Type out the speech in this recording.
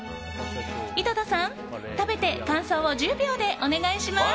井戸田さん、食べて感想を１０秒でお願いします。